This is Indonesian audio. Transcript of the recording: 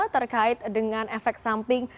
terkait dengan efek samping